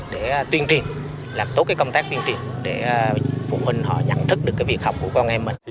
để tuyên truyền làm tốt công tác tuyên truyền để phụ huynh nhẵn thức được việc học của con em